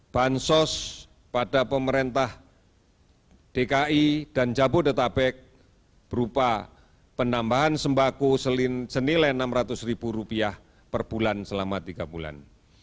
bansos pada pemerintah dki dan jabodetabek berupa penambahan sembako senilai rp enam ratus per bulan selama tiga bulan